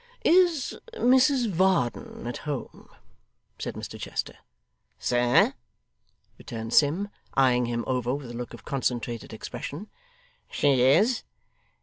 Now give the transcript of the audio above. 'Is Mrs Varden at home?' said Mr Chester. 'Sir,' returned Sim, eyeing him over with a look of concentrated expression, 'she is.